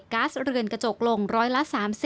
๊าซเรือนกระจกลงร้อยละ๓๐